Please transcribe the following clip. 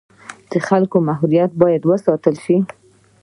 د خلکو محرمیت باید وساتل شي